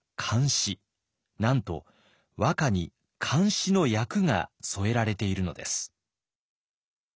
なんと和歌に漢詩の訳が添えられているのです。